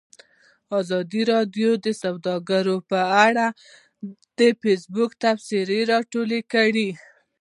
ازادي راډیو د سوداګري په اړه د فیسبوک تبصرې راټولې کړي.